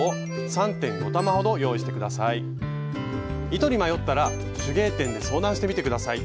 糸に迷ったら手芸店で相談してみて下さい。